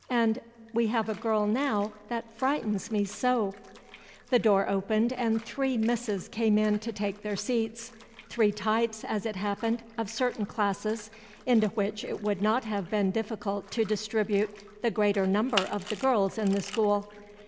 And we have a girl now that frightens me so" The door opened, and three misses came in to take their seats: three types, as it happened, of certain classes, into which it would not have been difficult to distribute the greater number of the girls in the school.